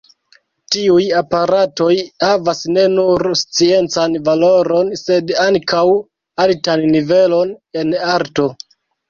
Tiuj aparatoj havas ne nur sciencan valoron, sed ankaŭ altan nivelon en arto.